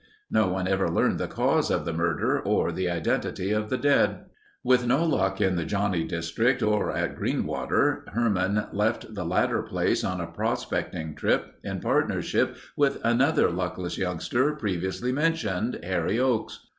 No one ever learned the cause of the murder or the identity of the dead. With no luck in the Johnnie district or at Greenwater, Herman left the latter place on a prospecting trip in partnership with another luckless youngster previously mentioned—Harry Oakes.